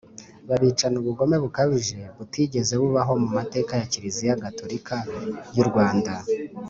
babicana ubugome bukabije butigeze bubaho mu mateka ya kiliziya gatorika y'u rwanda